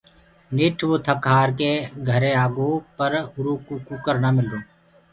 نيٺ وو ٿَڪ هآر ڪي گھري آگو پر اُرو ڪوُ ڪٚڪر نآ ملرو۔